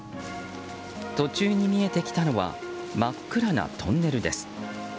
途中に見えてきたのは真っ暗なトンネルです。